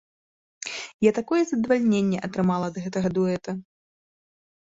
Я такое задавальненне атрымала ад гэтага дуэта!